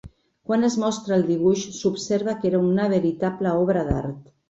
Quan es mostra el dibuix s'observa que era una veritable obra d'art.